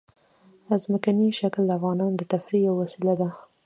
ځمکنی شکل د افغانانو د تفریح یوه وسیله ده.